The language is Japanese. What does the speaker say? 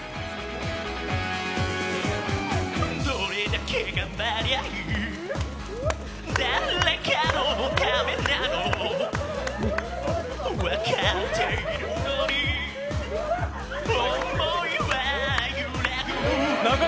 どれだけがんばりゃいい誰のためなの？分かっているのに決意は揺らぐ